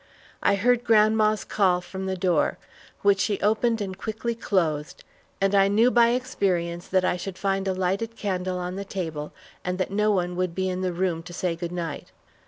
I heard grandma's call from the door, which she opened and quickly closed, and I knew by experience that I should find a lighted candle on the table, and that no one would be in the room to say good night.